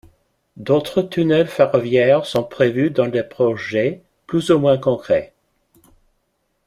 D'autres tunnels ferroviaires sont prévus dans des projets plus ou moins concrets.